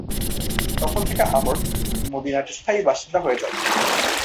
তখন থেকে আমর মদীনার স্থায়ী বাসিন্দা হয়ে যান।